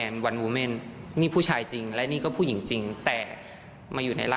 นี้พูดปกติธรรมดา